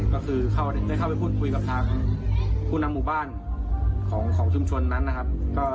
ก็คือได้เข้าไปพูดคุยกับทางผู้นำหมู่บ้านของชุมชนนั้นนะครับ